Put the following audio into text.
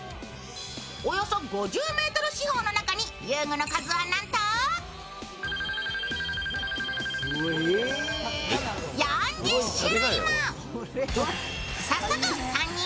およそ５０メートル四方の中に遊具の数はなんと４０種類も。